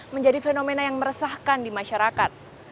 menjadi fenomena yang meresahkan di masyarakat